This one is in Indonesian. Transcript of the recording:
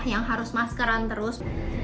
yang harus maskeran terus